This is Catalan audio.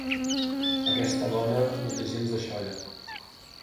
Aquesta dona no té gens de xolla.